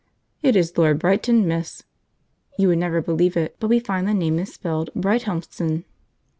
"It is Lord Brighton, miss." (You would never believe it, but we find the name is spelled Brighthelmston.)